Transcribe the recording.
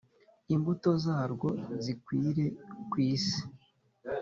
imbuto zarwo zikwire ku isi.